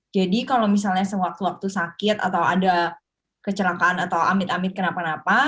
jadi kalau misalnya sewaktu waktu sakit atau ada kecelakaan atau amit amit kenapa kenapa